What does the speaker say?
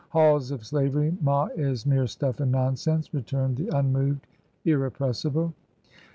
'Halls of slavery, ma, is mere stuff and nonsense,' returned the unmoved Irrepressible.